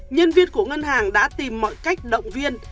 nhân viên của ngân hàng đã tìm mọi cách động viên